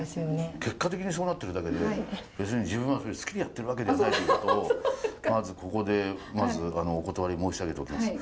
結果的にそうなってるだけで別に自分は好きでやってるわけではないということをまずここでお断り申し上げておきます。